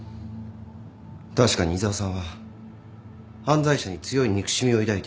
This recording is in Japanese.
確かに井沢さんは犯罪者に強い憎しみを抱いている。